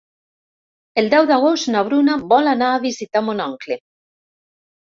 El deu d'agost na Bruna vol anar a visitar mon oncle.